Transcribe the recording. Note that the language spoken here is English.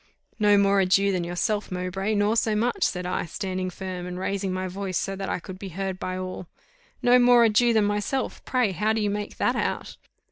"No more a Jew than yourself, Mowbray, nor so much," said I, standing firm, and raising my voice, so that I could be heard by all. "No more a Jew than myself! pray how do you make that out?"